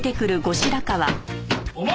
お前！